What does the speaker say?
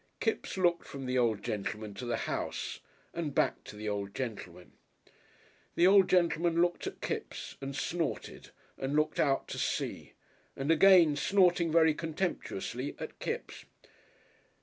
Kipps looked from the old gentleman to the house and back to the old gentleman. The old gentleman looked at Kipps and snorted and looked out to sea, and again, snorting very contemptuously, at Kipps.